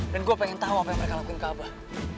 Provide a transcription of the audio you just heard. dan gue pengen tau apa yang mereka lakuin ke abah